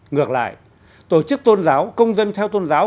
ngược lại tổ chức tôn giáo công dân theo tôn giáo